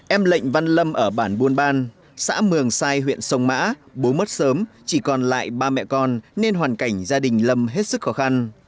em lệnh văn lâm ở bản buôn ban xã mường sai huyện sông mã bố mất sớm chỉ còn lại ba mẹ con nên hoàn cảnh gia đình lâm hết sức khó khăn